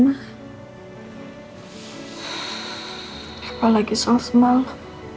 apalagi soal semalam